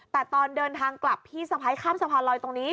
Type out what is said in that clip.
แต่ตอนเดินทางกลับพี่สะพ้ายข้ามสะพานลอยตรงนี้